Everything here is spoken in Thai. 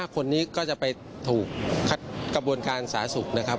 คนนี้ก็จะไปถูกกระบวนการสาธารณสุขนะครับ